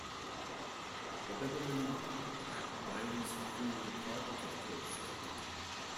The Bibbulmun Track winds through the park to the coast.